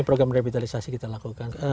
program revitalisasi kita lakukan